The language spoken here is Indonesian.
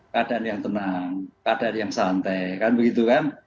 keadaan yang tenang keadaan yang santai kan begitu kan